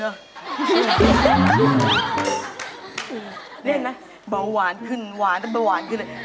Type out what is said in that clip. เลี่ยนนะเบาหวานขึ้นหวานก็เบาหวานขึ้นเลย